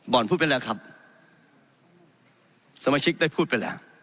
พูดไปแล้วครับสมาชิกได้พูดไปแล้ว